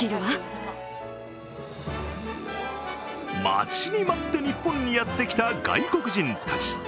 待ちに待って日本にやってきた外国人たち。